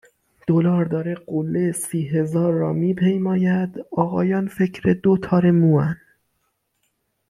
دلار داره قله سی هزار را می پیماید آقایان فکر دو تار موان